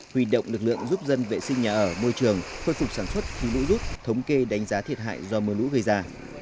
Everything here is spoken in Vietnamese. huy động lực lượng giúp dân vệ sinh nhà ở môi trường khôi phục sản xuất khi lũ rút thống kê đánh giá thiệt hại do mưa lũ gây ra